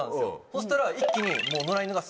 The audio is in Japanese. そしたら一気に。